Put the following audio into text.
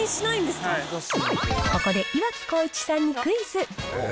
ここで岩城滉一さんにクイズ。